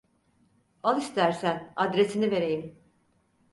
Al istersen adresini vereyim.